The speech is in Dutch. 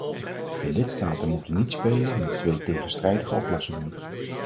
De lidstaten moeten niet spelen met twee tegenstrijdige oplossingen.